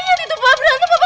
lihat itu pa berantem apa apa